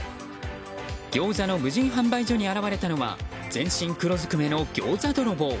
ギョーザの無人販売所に現れたのは全身黒ずくめのギョーザ泥棒。